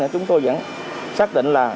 chúng tôi vẫn xác định là